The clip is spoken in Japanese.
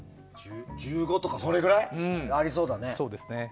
１５とかそれぐらいありそうだね。